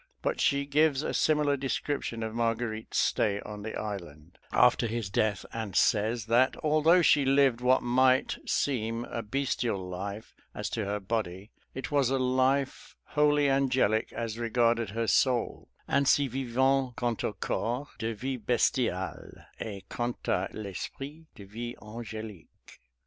But she gives a similar description of Marguerite's stay on the island, after his death, and says, that although she lived what might seem a bestial life as to her body, it was a life wholly angelic as regarded her soul (aînsî vivant, quant au corps, de vie bestiale, et quant à l'esprit, de vie angelîcque).